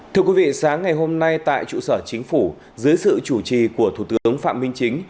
thưa quý vị sáng ngày hôm nay tại trụ sở chính phủ dưới sự chủ trì của thủ tướng phạm minh chính